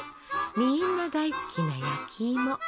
みんな大好きな焼きいも。